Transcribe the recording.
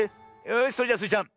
よしそれじゃスイちゃん